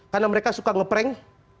karena mereka suka nge prank